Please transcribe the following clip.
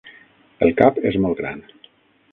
El cap és molt gran.